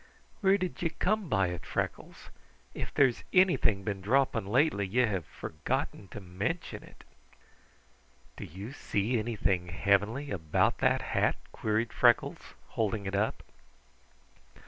Where did ye come by it, Freckles? If there's anything been dropping lately, ye hae forgotten to mention it." "Do you see anything heavenly about that hat?" queried Freckles, holding it up.